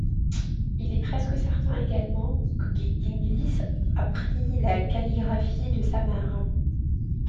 Il est presque certain également qu’Inglis apprit la calligraphie de sa mère.